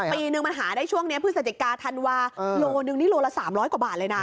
ปีนึงมันหาได้ช่วงนี้พฤศจิกาธันวาโลนึงนี่โลละ๓๐๐กว่าบาทเลยนะ